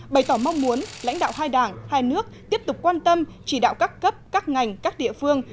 bày tỏ mong muốn lãnh đạo hai đảng hai nước tiếp tục quan tâm chỉ đạo các cấp các ngành các địa phương